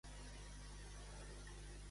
On li sembla a la Maria que es troba?